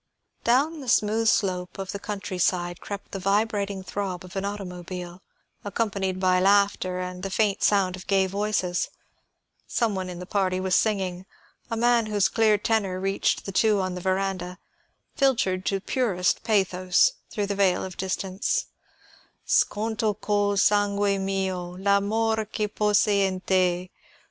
Down the smooth slope of the country side crept the vibrating throb of an automobile, accompanied by laughter and the faint sound of gay voices. Some one in the party was singing a man whose clear tenor reached the two on the veranda, filtered to purest pathos through the veil of distance: "_Sconto col sangue mio L'amor que posi in te!